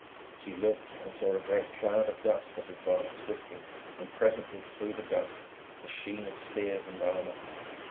She looked, and saw a great cloud of dust that advanced swiftly, and presently, through the dust, the sheen of spears and armour.